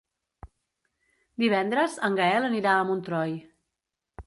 Divendres en Gaël anirà a Montroi.